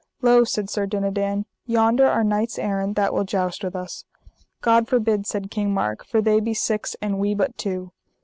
Lo, said Sir Dinadan, yonder are knights errant that will joust with us. God forbid, said King Mark, for they be six and we but two.